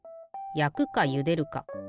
やくかゆでるか。